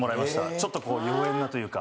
ちょっとこう「妖艶な」というか。